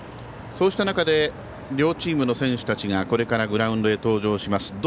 そうした中で両チームの選手たちがこれからグラウンドへ登場します。